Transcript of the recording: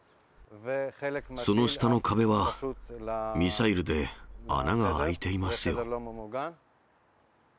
その下の壁は、ミサイルで穴が開いていますよ。